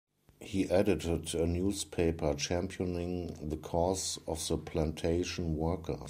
He edited a newspaper championing the cause of the plantation workers.